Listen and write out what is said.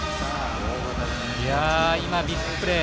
ビッグプレー。